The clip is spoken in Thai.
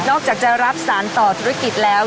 อกจากจะรับสารต่อธุรกิจแล้ว